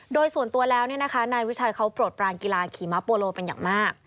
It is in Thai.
โดยส่วนตัวแล้วนายวิชัยเขาโปรดปรานกีฬาขี่มะโปโลเป็นอย่างมาก